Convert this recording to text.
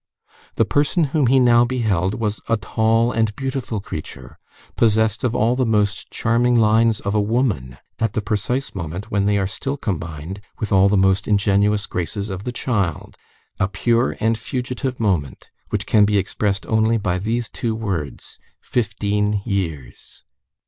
The person whom he now beheld was a tall and beautiful creature, possessed of all the most charming lines of a woman at the precise moment when they are still combined with all the most ingenuous graces of the child; a pure and fugitive moment, which can be expressed only by these two words,—"fifteen years."